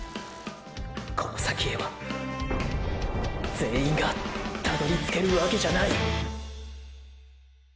この先へは全員がたどりつけるわけじゃない！！